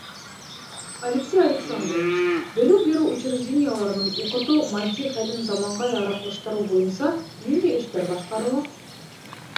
— Алексей Александрович, белем биреү учреждениеларының уҡытыу-матди хәлен заманға яраҡлаштырыу буйынса ниндәй эштәр башҡарыла?